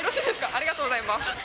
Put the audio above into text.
ありがとうございます。